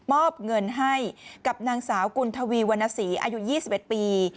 อบเงินให้กับนางสาวกุณทวีวรรณสีอายุ๒๑ปี